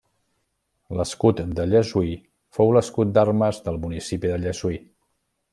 L'escut de Llessui fou l'escut d'armes del municipi de Llessui.